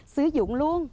sử dụng luôn